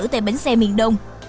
tại bến xe miền đông